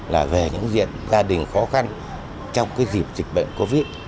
là về những diện gia đình khó khăn trong cái dịp dịch bệnh covid